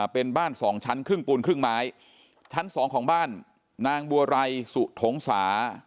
เป็นบ้านสองชั้นครึ่งปูนครึ่งไม้ชั้นสองของบ้านนางบัวไรสุถงสา